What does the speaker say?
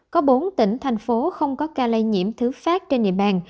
có bốn tỉnh thành phố không có ca lây nhiễm thứ phát trên địa bàn